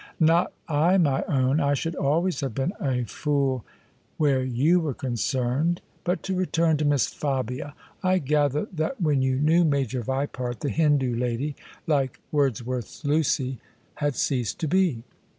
" Not I, my own ! I should always have been a fool OF ISABEL CARNABY where yoa were oonccrncd. But to return to Mbs Fabia* I gather that when you knew Major Vq>art» the Hindoo lady — like Wordsworth's Luqf — had ceased to be."